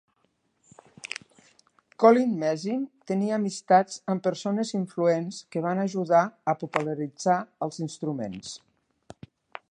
Collin-Mezin tenia amistats amb persones influents que van ajudar a popularitzar els instruments.